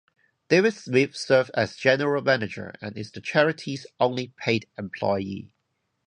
David Smith serves as general manager and is the charity's only paid employee.